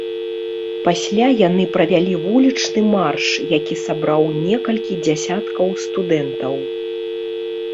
Пасля яны правялі вулічны марш, які сабраў некалькі дзясяткаў студэнтаў.